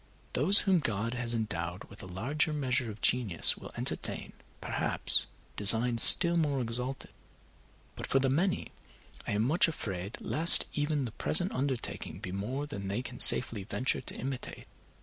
Those whom God has endowed with a larger measure of genius will entertain, perhaps, designs still more exalted; but for the many I am much afraid lest even the present undertaking be more than they can safely venture to imitate.